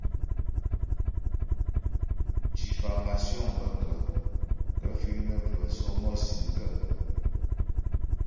Diffámásyoŋ bə kə́ ? Gaə̂ fíŋ nə́ və̂ sɔ́mɔ́sì m gaə̂kə́ ?